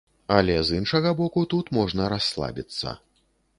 Але з іншага боку, тут можна расслабіцца.